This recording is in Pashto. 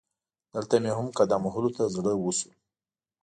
دلته مې هم قدم وهلو ته زړه وشو.